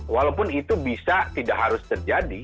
walaupun itu bisa tidak harus terjadi